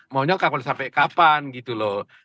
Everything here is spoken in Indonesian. maunya kau boleh sampai kapan gitu loh